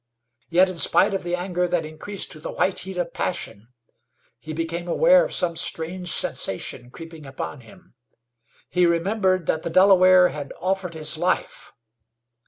Yet in spite of the anger that increased to the white heat of passion, he became aware of some strange sensation creeping upon him. He remembered that the Delawares had offered his life.